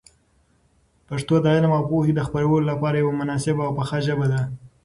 پښتو د علم او پوهي د خپرولو لپاره یوه مناسبه او پخه ژبه ده.